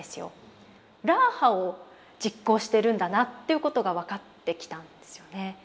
ラーハを実行してるんだなということが分かってきたんですよね。